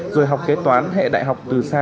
rồi học kế toán hệ đại học từ xa